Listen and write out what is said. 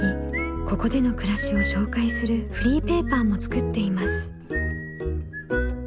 ここでの暮らしを紹介するフリーペーパーも作っています。